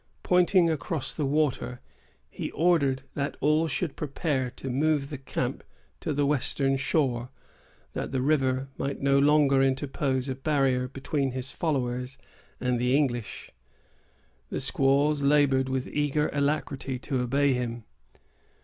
Pointing across the water, he ordered that all should prepare to move the camp to the western shore, that the river might no longer interpose a barrier between his followers and the English. The squaws labored with eager alacrity to obey him.